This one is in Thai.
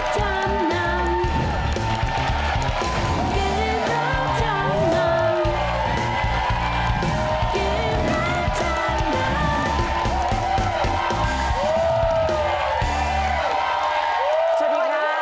สวัสดีครับ